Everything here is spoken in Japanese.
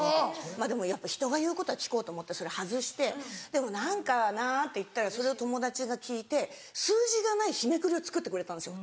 まぁでもやっぱ人が言うことは聞こうと思ってそれ外してでも何かなぁっていったらそれを友達が聞いて数字がない日めくりを作ってくれたんですよ